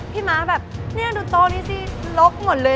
ม้าแบบเนี่ยดูโต๊ะนี้สิลกหมดเลย